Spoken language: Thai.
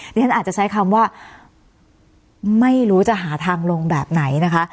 ฉันอาจจะใช้คำว่าไม่รู้จะหาทางลงแบบไหนนะคะ